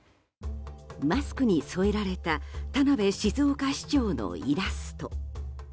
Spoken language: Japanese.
マスクに添えられた田辺静岡市長のイラスト。